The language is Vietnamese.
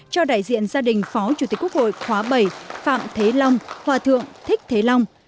cho đại diện gia đình phó chủ tịch quốc hội khóa bảy phạm thế long hòa thượng thích thế long